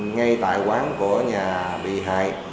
ngay tại quán của nhà bị hại